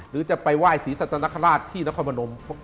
หรือจะไปไหว้ศรีสัตนคราชที่นครพนม